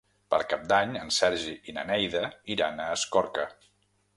Per Cap d'Any en Sergi i na Neida iran a Escorca.